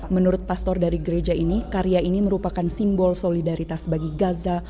menurut pastor dari gereja ini karya ini merupakan simbol solidaritas bagi gaza